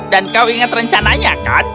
dan kau ingat rencananya kan